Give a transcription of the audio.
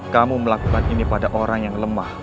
kamu melakukan ini pada orang yang lemah